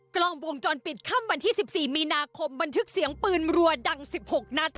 กล้องวงจรปิดข้ำวันที่สิบสี่มีนาคมบันทึกเสียงปืนรัวดังสิบหกนัด